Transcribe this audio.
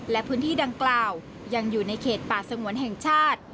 และพื้นที่ดังกล่าวยังอยู่ในเขตป่าสงวนแห่งชาติ